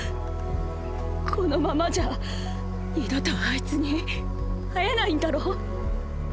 このままじゃ二度とあいつに会えないんだろ？